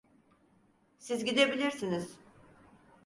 Siz gidebilirsiniz.